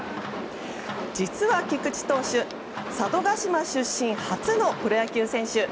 実は菊地投手、佐渡島出身初のプロ野球選手。